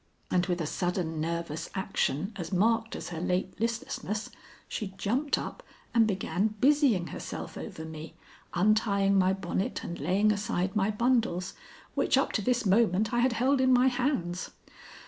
And with a sudden nervous action as marked as her late listlessness, she jumped up and began busying herself over me, untying my bonnet and laying aside my bundles, which up to this moment I had held in my hands.